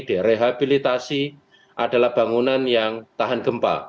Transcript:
direhabilitasi adalah bangunan yang tahan gempa